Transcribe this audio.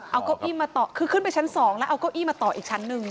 เอาเก้าอี้มาต่อคือขึ้นไปชั้น๒แล้วเอาเก้าอี้มาต่ออีกชั้นหนึ่ง